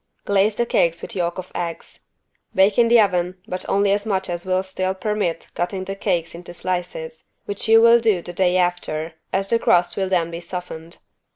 Glaze the cakes with yolk of eggs. Bake in the oven, but only as much as will still permit cutting the cakes into slices, which you will do the day after, as the crust will then be softened.